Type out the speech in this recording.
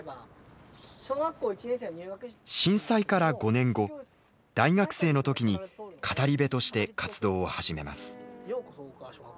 震災から５年後大学生の時に語り部として活動を始めます。